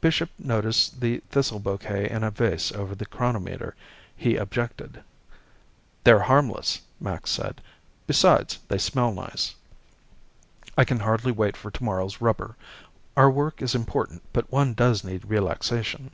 Bishop noticed the thistle bouquet in a vase over the chronometer. He objected. "They're harmless," Max said. "Besides, they smell nice." I can hardly wait for tomorrow's rubber. Our work is important, but one does need relaxation.